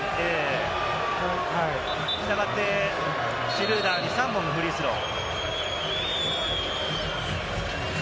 したがって、シュルーダーに３本フリースロー。